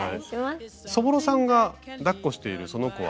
そぼろさんがだっこしているその子は？